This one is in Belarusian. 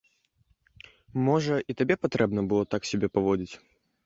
Можа, і табе патрэбна было так сябе паводзіць?